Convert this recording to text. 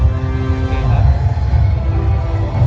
สโลแมคริปราบาล